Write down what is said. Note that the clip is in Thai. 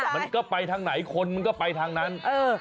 มันก็ไปทางไหนคนมันก็ไปทางนั้น